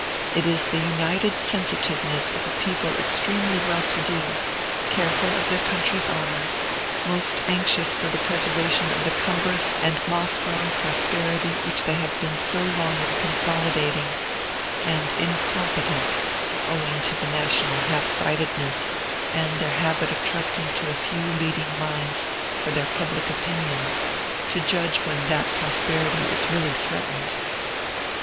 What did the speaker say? It is the united sensitiveness of a people extremely well to do, careful of their country's honor, most anxious for the preservation of the cumbrous and moss grown prosperity which they have been so long in consolidating, and incompetent (owing to the national half sightedness, and their habit of trusting to a few leading minds for their public opinion) to judge when that prosperity is really threatened.